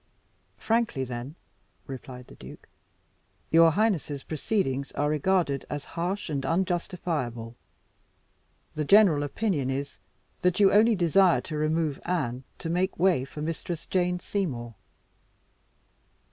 "Frankly then," replied the duke, "your highness's proceedings are regarded as harsh and unjustifiable. The general opinion is, that you only desire to remove Anne to make way for Mistress Jane Seymour."